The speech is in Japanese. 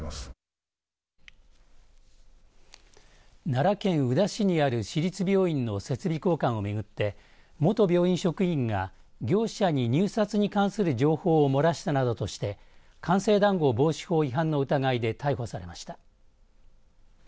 奈良県宇陀市にある市立病院の設備交換を巡って元病院職員が業者に入札に関する情報を漏らしたなどとして官製談合防止法違反の疑いで逮捕されました。